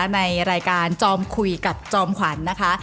ในรายการจอมคุยกับจอมขวัญนะคะ